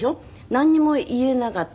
なんにも言えなかったですね。